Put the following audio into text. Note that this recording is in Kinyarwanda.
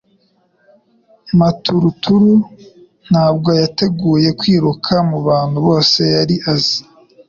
Maturuturu ntabwo yateguye kwiruka mubantu bose yari azi